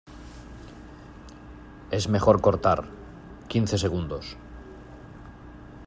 es mejor cortar. quince segundos .